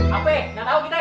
ahve jangan tau kita